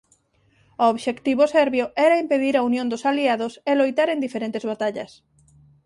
O obxectivo serbio era impedir a unión dos aliados e loitar en diferentes batallas.